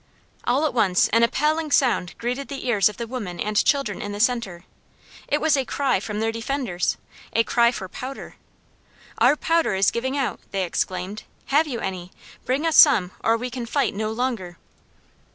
All at once an appalling sound greeted the ears of the women and children in the center; it was a cry from their defenders a cry for powder! "Our powder is giving out!" they exclaimed. "Have you any? Bring us some, or we can fight no longer."